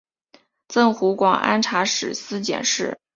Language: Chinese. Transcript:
赠湖广按察使司佥事。